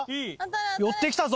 寄ってきたぞ！